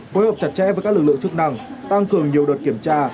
phối hợp chặt chẽ với các lực lượng chức năng tăng cường nhiều đợt kiểm tra